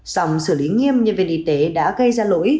song xử lý nghiêm nhân viên y tế đã gây ra lỗi